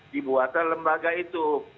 dibuatlah lembaga itu